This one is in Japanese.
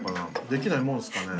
できないもんですかね？